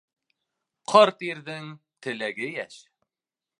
Ҡарт ирҙең теләге йәш.